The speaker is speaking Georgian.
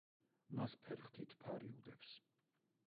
მას ფერხთით ფარი უდევს.